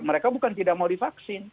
mereka bukan tidak mau divaksin